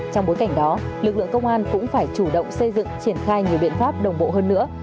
trong bối cảnh đó lực lượng công an cũng phải chủ động xây dựng triển khai nhiều biện pháp đồng bộ hơn nữa